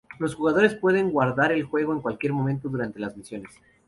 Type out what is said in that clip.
Los jugadores pueden guardar el juego en cualquier momento durante las misiones.